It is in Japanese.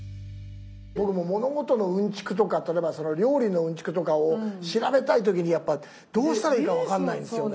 僕物事のウンチクとか例えば料理のウンチクとかを調べたい時にやっぱどうしたらいいか分かんないんすよね。